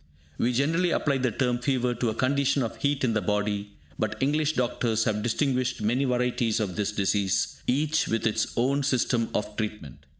We generally apply the term "fever" to a condition of heat in the body, but English doctors have distinguished many varieties of this disease, each with its own system of treatment.